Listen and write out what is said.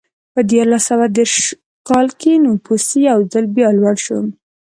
په دیارلس سوه دېرش کال کې نفوس یو ځل بیا لوړ شو.